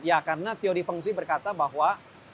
ya karena teori feng shui berkata bahwa